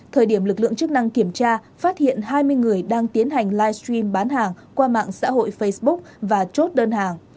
thời điểm lực lượng chức năng kiểm tra phát hiện hai mươi người đang tiến hành livestream bán hàng qua mạng xã hội facebook và chốt đơn hàng